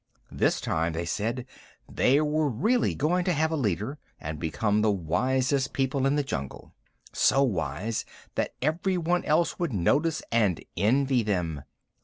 This time, they said, they were really going to have a leader and become the wisest people in the jungle so wise that everyone else would notice and envy them.